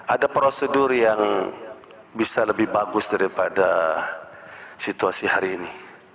ada prosedur yang bisa lebih bagus daripada situasi hari ini